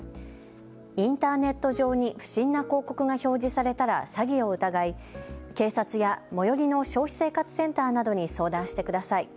インターネット上に不審な広告が表示されたら詐欺を疑い、警察や最寄りの消費生活センターなどに相談してください。